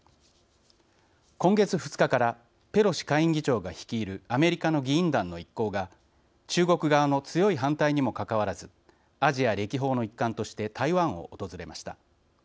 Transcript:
今月２日からペロシ下院議長が率いるアメリカの議員団の一行が中国側の強い反対にもかかわらずアジア歴訪の一環として台湾を訪れました。